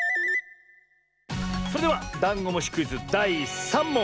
それではダンゴムシクイズだい３もん！